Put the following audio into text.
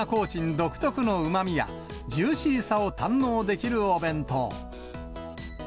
独特のうまみや、ジューシーさを堪能できるお弁当。